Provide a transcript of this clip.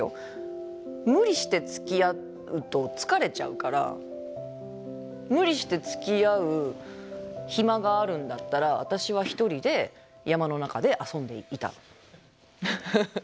無理してつきあうと疲れちゃうから無理してつきあう暇があるんだったら私は一人で山の中で遊んでいたのよ。